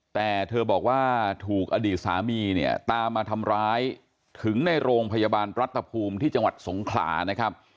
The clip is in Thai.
แต่เธอบอกว่าถูกอดีตสามีเนี่ยตามมาทำร้ายถึงในโรงพยาบาลรัฐภูมิที่จังหวัดสงขลานะครับ